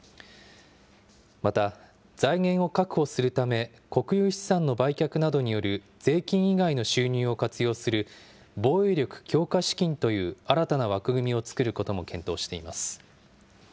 また、財源を確保するため、国有資産の売却などによる税金以外の収入を活用する防衛力強化資金という新たな枠組みを作ることも検討しています。